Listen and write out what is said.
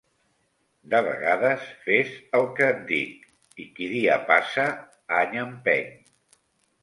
De vegades fes el que et dic i qui dia passa any empeny.